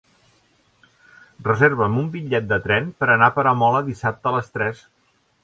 Reserva'm un bitllet de tren per anar a Peramola dissabte a les tres.